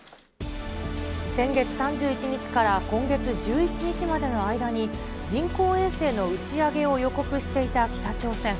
先月３１日から今月１１日までの間に、人工衛星の打ち上げを予告していた北朝鮮。